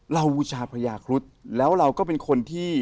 บูชาพญาครุฑแล้วเราก็เป็นคนที่